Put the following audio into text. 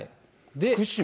福島？